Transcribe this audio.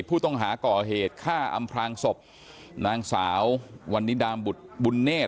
ผู้ต้องหาก่อเหตุฆ่าอำพลางศพนางสาววันนิดามบุตรบุญเนธ